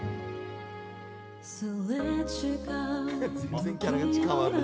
全然キャラが変わるな。